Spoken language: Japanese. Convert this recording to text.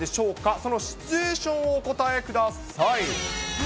そのシチュエーションをお答えく何？